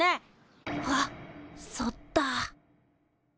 あっそっだ。